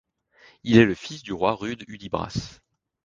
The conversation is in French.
Il est le fils du roi Rud Hudibras.